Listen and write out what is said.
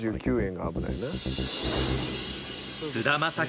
９９円が危ないな。